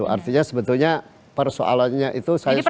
artinya sebetulnya persoalannya itu saya sampaikan